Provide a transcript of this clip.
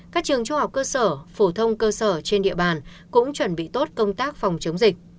các trường trung học cơ sở phổ thông cơ sở trên địa bàn cũng chuẩn bị tốt công tác phòng chống dịch